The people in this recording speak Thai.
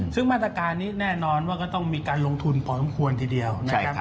ซึ่งมาตรการนี้แน่นอนว่าก็ต้องมีการลงทุนพอสมควรทีเดียวนะครับ